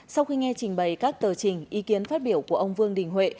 sau khi nghe trình bày các tờ trình ý kiến phát biểu của ông vương đình huệ